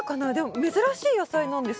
珍しい野菜なんですよ。